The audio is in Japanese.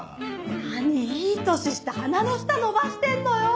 何いい年して鼻の下伸ばしてんのよ。